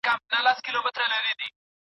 نړیوال بازارونه خلګو ته دندي پیدا کوي.